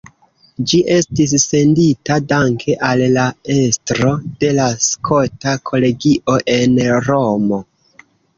Ĝi estis sendita danke al la estro de la Skota Kolegio en Romo.